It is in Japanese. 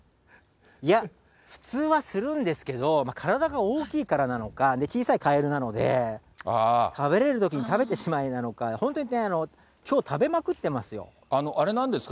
いや、普通はするんですけど、体が大きいからなのか、小さいカエルなので、食べれるときに食べてしまえなのか、本当にね、あれなんですか？